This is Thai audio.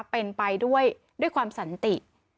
เป็นไปด้วยความสันติ